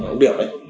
ông điểm ấy